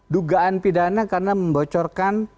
dugaan pidana karena membocorkan